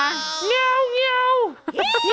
แมวแงว